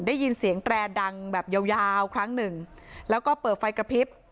ได้ยินเสียงแตรดังแบบยาวยาวครั้งหนึ่งแล้วก็เปิดไฟกระพริบ